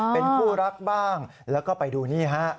เป็นคู่รักบ้างแล้วก็ไปดูนี่ฮะ